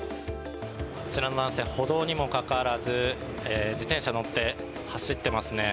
あちらの男性歩道にもかかわらず自転車に乗って走っていますね。